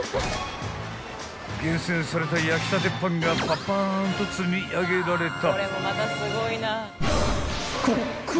［厳選された焼きたてパンがパパーンと積み上げられた］